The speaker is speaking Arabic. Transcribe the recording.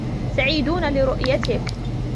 سعيدون لرؤيتك.